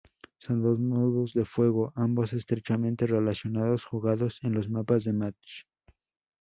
Son dos modos de juego, ambos estrechamente relacionados jugados en los mapas de Match.